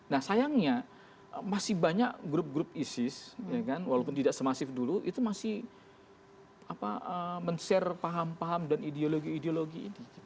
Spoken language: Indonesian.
nah sayangnya masih banyak grup grup isis walaupun tidak semasif dulu itu masih men share paham paham dan ideologi ideologi ini